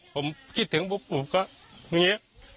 ผมคิดถึงปุ๊บก็แบบนี้